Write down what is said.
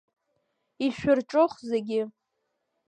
Ишәырҿых зегьы!